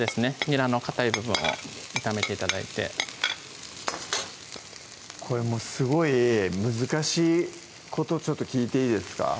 にらのかたい部分を炒めて頂いてこれすごい難しいことちょっと聞いていいですか？